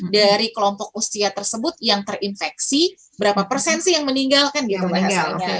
dari kelompok usia tersebut yang terinfeksi berapa persen sih yang meninggal kan gitu meninggalnya